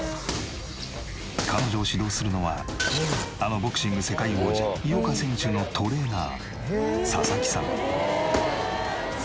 彼女を指導するのはあのボクシング世界王者井岡選手のトレーナー佐々木さん。